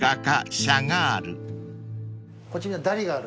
こっちにはダリがある。